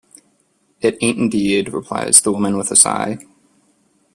"It ain't indeed," replies the woman with a sigh.